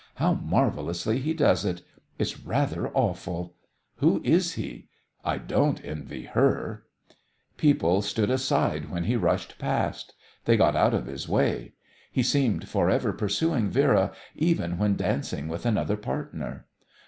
How marvellously he does it! It's rather awful. Who is he? I don't envy her." People stood aside when he rushed past. They got out of his way. He seemed forever pursuing Vera, even when dancing with another partner.